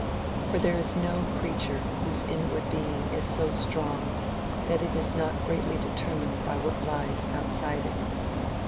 For there is no creature whose inward being is so strong that it is not greatly determined by what lies outside it.